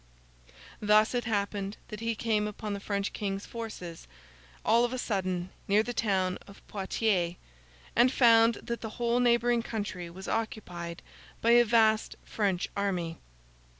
Thus it happened that he came upon the French King's forces, all of a sudden, near the town of Poitiers, and found that the whole neighbouring country was occupied by a vast French army.